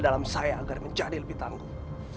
dalam saya agar menjadi lebih tangguh